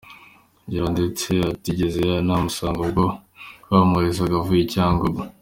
Ngira ndetse atigeze anahamusanga ubwo bahamwoherezaga avuye i Cyangugu.